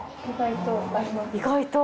意外と。